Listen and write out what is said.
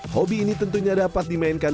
hobi ini tentunya dapat dimainkan